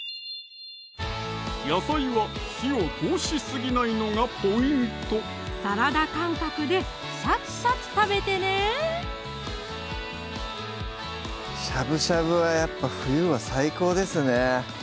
野菜は火を通しすぎないのがポイントサラダ感覚でシャキシャキ食べてねしゃぶしゃぶはやっぱ冬は最高ですね